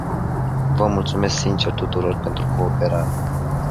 Vă mulțumesc sincer tuturor pentru cooperare.